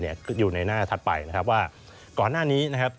อยู่ในหน้าถัดไปนะครับว่าก่อนหน้านี้นะครับ